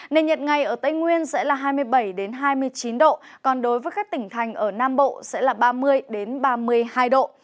nền nhiệt ngày ở tây nguyên sẽ là hai mươi bảy hai mươi chín độ còn đối với các tỉnh thành ở nam bộ sẽ là ba mươi ba mươi hai độ